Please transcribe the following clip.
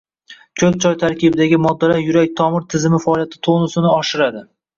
Ko‘k choy tarkibidagi moddalar yurak-tomir tizimi faoliyati tonusini oshiradi.